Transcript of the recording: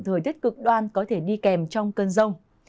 thời tiết cực đoan có thể đi kèm trong cơn rông